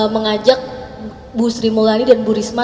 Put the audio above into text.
mengajak bu sri mulyani dan bu risma